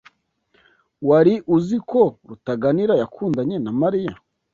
Wari uzi ko Rutaganira yakundanye na Mariya?